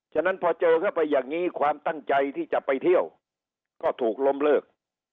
ฉะนั้นพอเจอเข้าไปอย่างนี้ความตั้งใจที่จะไปเที่ยวก็ถูกล้มเลิก